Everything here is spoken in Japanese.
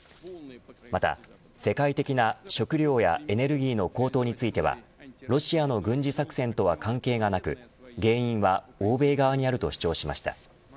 また世界的な食料やエネルギーの高騰についてはロシアの軍事作戦とは関係がなく原因は欧米側にあると主張しました。